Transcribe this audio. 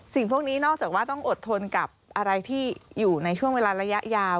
พวกนี้นอกจากว่าต้องอดทนกับอะไรที่อยู่ในช่วงเวลาระยะยาว